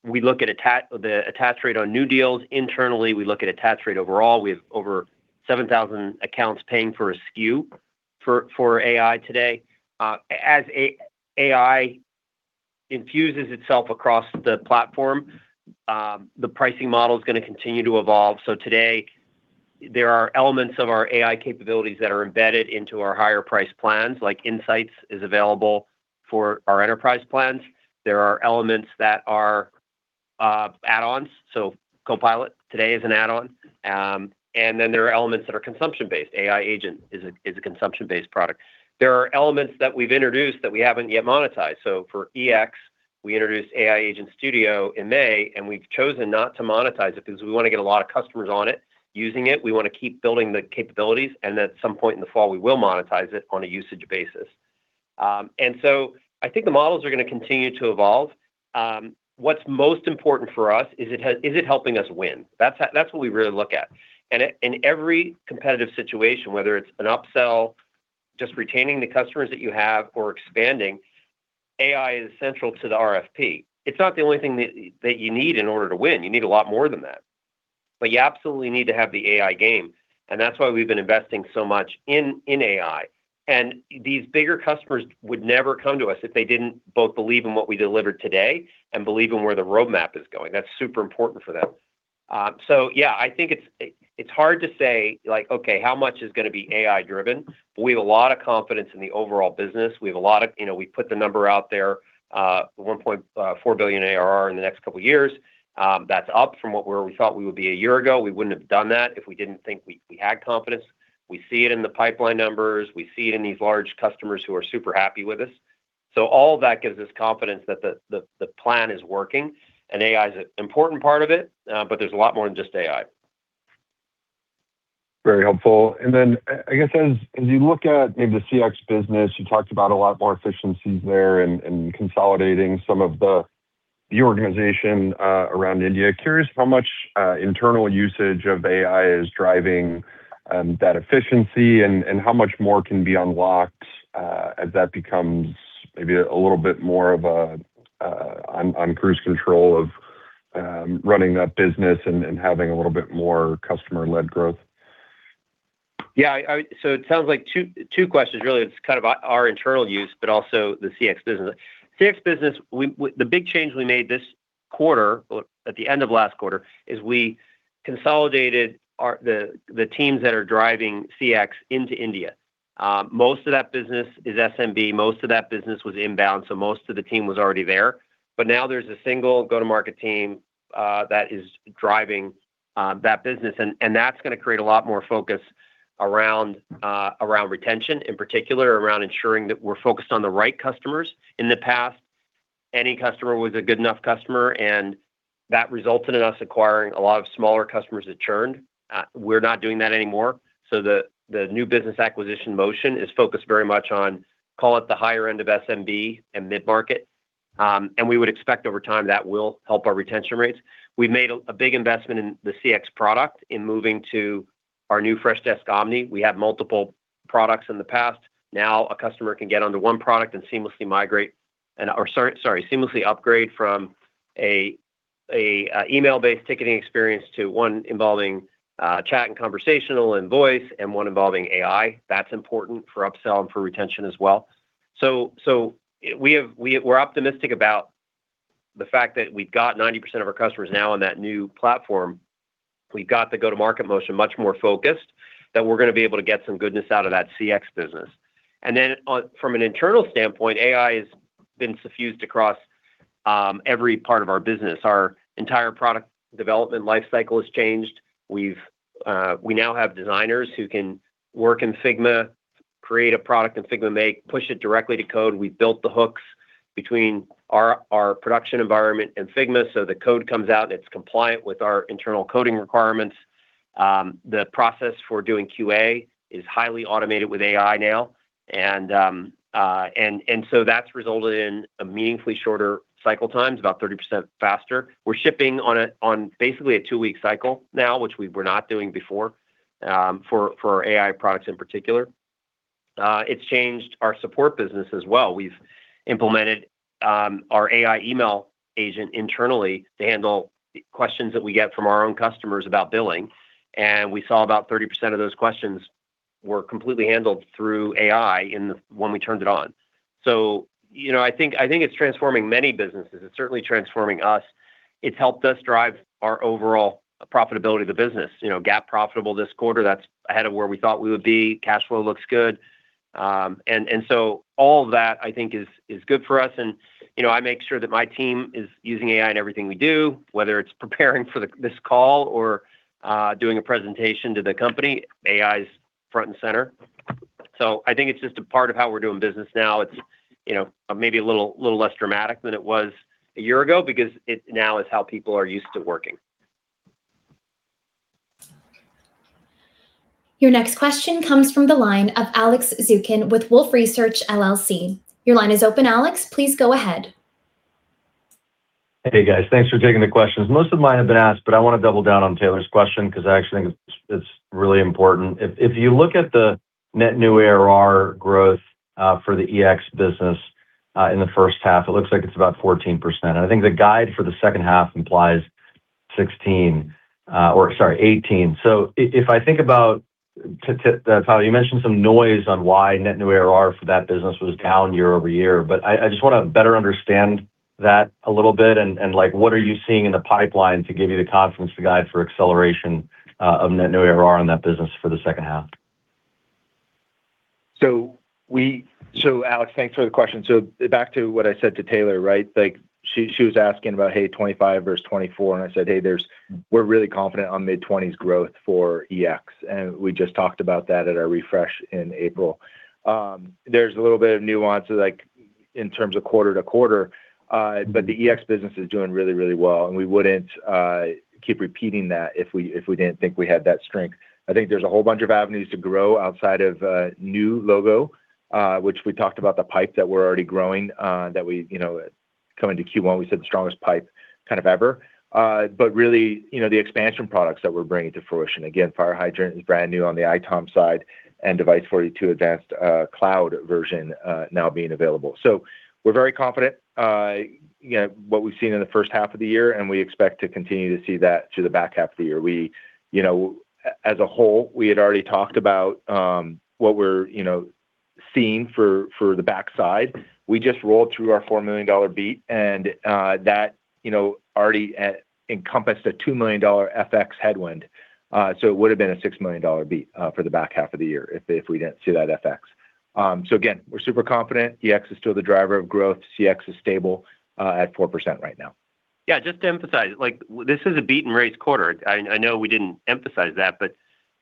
We look at the attach rate on new deals internally. We look at attach rate overall. We have over 7,000 accounts paying for a SKU for AI today. As AI infuses itself across the platform, the pricing model is going to continue to evolve. Today, there are elements of our AI capabilities that are embedded into our higher price plans, like Insights is available for our enterprise plans. There are elements that are add-ons. Copilot today is an add-on. Then there are elements that are consumption-based. AI Agent is a consumption-based product. There are elements that we've introduced that we haven't yet monetized. For EX, we introduced AI Agent Studio in May, and we've chosen not to monetize it because we want to get a lot of customers on it, using it. We want to keep building the capabilities, and then at some point in the fall, we will monetize it on a usage basis. I think the models are going to continue to evolve. What's most important for us is it helping us win? That's what we really look at. In every competitive situation, whether it's an upsell, just retaining the customers that you have or expanding, AI is central to the RFP. It's not the only thing that you need in order to win. You need a lot more than that. You absolutely need to have the AI game, and that's why we've been investing so much in AI. These bigger customers would never come to us if they didn't both believe in what we delivered today and believe in where the roadmap is going. That's super important for them. Yeah, I think it's hard to say, like, okay, how much is going to be AI-driven? We have a lot of confidence in the overall business. We put the number out there, $1.4 billion ARR in the next couple of years. That's up from where we thought we would be a year ago. We wouldn't have done that if we didn't think we had confidence. We see it in the pipeline numbers. We see it in these large customers who are super happy with us. All of that gives us confidence that the plan is working, and AI is an important part of it, but there's a lot more than just AI. Very helpful. I guess as you look at maybe the CX business, you talked about a lot more efficiencies there and consolidating some of the organization around India. Curious how much internal usage of AI is driving that efficiency and how much more can be unlocked as that becomes maybe a little bit more on cruise control of running that business and having a little bit more customer-led growth. It sounds like two questions, really. It's kind of our internal use, but also the CX business. CX business, the big change we made this quarter, or at the end of last quarter, is we consolidated the teams that are driving CX into India. Most of that business is SMB. Most of that business was inbound, so most of the team was already there. Now there's a single go-to-market team that is driving that business, and that's going to create a lot more focus around retention, in particular, around ensuring that we're focused on the right customers. In the past, any customer was a good enough customer, and that resulted in us acquiring a lot of smaller customers that churned. We're not doing that anymore. The new business acquisition motion is focused very much on call it the higher end of SMB and mid-market, and we would expect over time that will help our retention rates. We've made a big investment in the CX product in moving to our new Freshdesk Omni. We had multiple products in the past. Now a customer can get onto one product and seamlessly migrate, or sorry, seamlessly upgrade from an email-based ticketing experience to one involving chat and conversational and voice and one involving AI. That's important for upsell and for retention as well. We're optimistic about the fact that we've got 90% of our customers now on that new platform. We've got the go-to-market motion much more focused that we're going to be able to get some goodness out of that CX business. From an internal standpoint, AI has been suffused across every part of our business. Our entire product development life cycle has changed. We now have designers who can work in Figma, create a product in Figma, push it directly to code. We built the hooks between our production environment and Figma, so the code comes out and it's compliant with our internal coding requirements. The process for doing QA is highly automated with AI now, and so that's resulted in a meaningfully shorter cycle times, about 30% faster. We're shipping on basically a two-week cycle now, which we were not doing before, for our AI products in particular. It's changed our support business as well. We've implemented our AI email agent internally to handle questions that we get from our own customers about billing, and we saw about 30% of those questions were completely handled through AI when we turned it on. I think it's transforming many businesses. It's certainly transforming us. It's helped us drive our overall profitability of the business. GAAP profitable this quarter. That's ahead of where we thought we would be. Cash flow looks good. All that I think is good for us, and I make sure that my team is using AI in everything we do, whether it's preparing for this call or doing a presentation to the company, AI's front and center. I think it's just a part of how we're doing business now. It's maybe a little less dramatic than it was a year ago because it now is how people are used to working. Your next question comes from the line of Alex Zukin with Wolfe Research, LLC. Your line is open Alex, please go ahead. Hey, guys. Thanks for taking the questions. Most of mine have been asked, but I want to double down on Taylor's question because I actually think it's really important. If you look at the net new ARR growth for the EX business in the first half, it looks like it's about 14%. I think the guide for the second half implies 16%, or sorry, 18%. If I think about, Tyler, you mentioned some noise on why net new ARR for that business was down year-over-year, but I just want to better understand that a little bit, what are you seeing in the pipeline to give you the confidence to guide for acceleration of net new ARR on that business for the second half? Alex, thanks for the question. Back to what I said to Taylor, right? She was asking about, hey, 2025 verse 2024, I said, hey, we're really confident on mid-20s% growth for EX. We just talked about that at our Refresh in April. There's a little bit of nuance, in terms of quarter-to-quarter. The EX business is doing really, really well, we wouldn't keep repeating that if we didn't think we had that strength. I think there's a whole bunch of avenues to grow outside of new logo, which we talked about the pipe that we're already growing, that coming to Q1, we set the strongest pipe ever. Really, the expansion products that we're bringing to fruition. Again, FireHydrant is brand new on the ITOM side, Device42 advanced cloud version now being available. We're very confident. What we've seen in the first half of the year, we expect to continue to see that through the back half of the year. As a whole, we had already talked about what we're seeing for the backside. We just rolled through our $4 million beat, that already encompassed a $2 million FX headwind. It would've been a $6 million beat for the back half of the year if we didn't see that FX. Again, we're super confident. EX is still the driver of growth. CX is stable at 4% right now. Yeah, just to emphasize, this is a beat and raise quarter. I know we didn't emphasize that,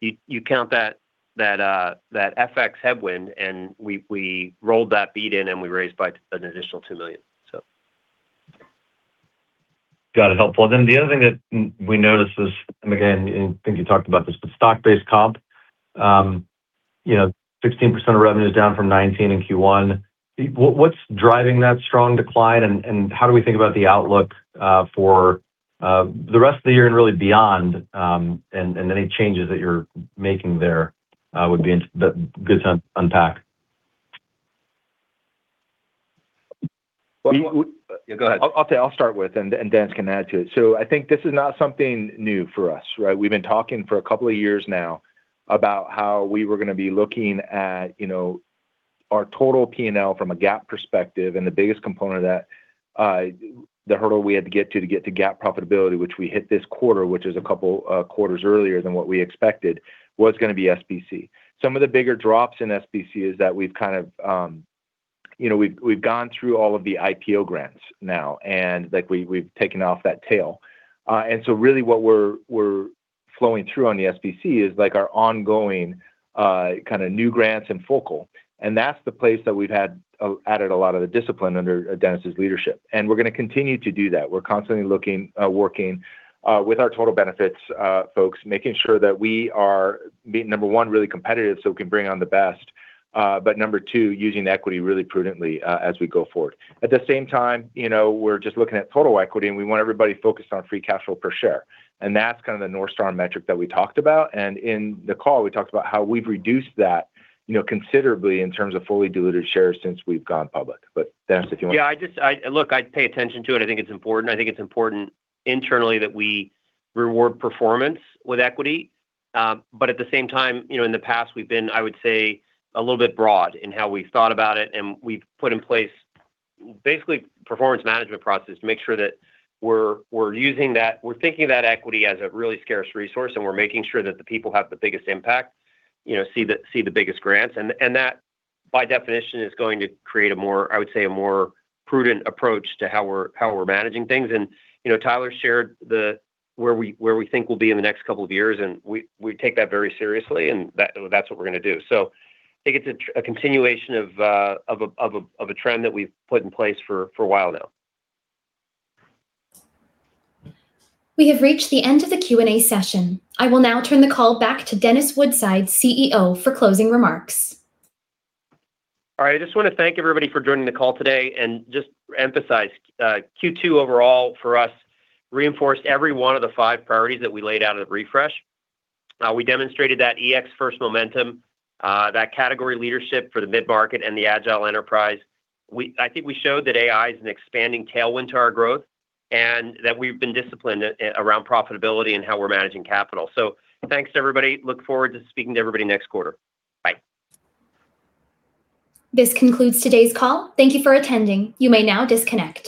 you count that FX headwind, we rolled that beat in we raised by an additional $2 million. Got it. Helpful. The other thing that we noticed was, again, I think you talked about this, stock-based comp 16% of revenue is down from 19% in Q1. What's driving that strong decline, and how do we think about the outlook for the rest of the year and really beyond, and any changes that you're making there would be good to unpack. Well- Yeah, go ahead. I'll start with, and Dennis can add to it. I think this is not something new for us, right? We've been talking for a couple of years now about how we were going to be looking at our total P&L from a GAAP perspective, and the biggest component of that, the hurdle we had to get to get to GAAP profitability, which we hit this quarter, which is a couple quarters earlier than what we expected, was going to be SBC. Some of the bigger drops in SBC is that we've gone through all of the IPO grants now, and we've taken off that tail. Really what we're flowing through on the SBC is our ongoing new grants in Focal, and that's the place that we've added a lot of the discipline under Dennis' leadership. We're going to continue to do that. We're constantly working with our total benefits folks, making sure that we are, number one, really competitive so we can bring on the best. Number two, using equity really prudently as we go forward. At the same time, we're just looking at total equity, and we want everybody focused on free cash flow per share. That's the North Star metric that we talked about, and in the call, we talked about how we've reduced that considerably in terms of fully diluted shares since we've gone public. Dennis, if you want to- Yeah. Look, I pay attention to it. I think it's important. I think it's important internally that we reward performance with equity. At the same time, in the past we've been, I would say, a little bit broad in how we've thought about it, and we've put in place basically performance management processes to make sure that we're thinking of that equity as a really scarce resource, and we're making sure that the people have the biggest impact, see the biggest grants. That, by definition, is going to create, I would say, a more prudent approach to how we're managing things. Tyler shared where we think we'll be in the next couple of years, and we take that very seriously, and that's what we're going to do. I think it's a continuation of a trend that we've put in place for a while now. We have reached the end of the Q&A session. I will now turn the call back to Dennis Woodside, Chief Executive Officer, for closing remarks. All right. I just want to thank everybody for joining the call today, and just emphasize Q2 overall for us reinforced every one of the five priorities that we laid out at Refresh. We demonstrated that EX first momentum, that category leadership for the mid-market and the agile enterprise. I think we showed that AI is an expanding tailwind to our growth, and that we've been disciplined around profitability and how we're managing capital. Thanks everybody. Look forward to speaking to everybody next quarter. Bye. This concludes today's call. Thank you for attending, you may now disconnect.